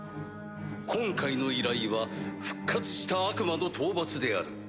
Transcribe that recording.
今回の依頼は復活した悪魔の討伐である。